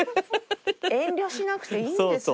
遠慮しなくていいんですよ。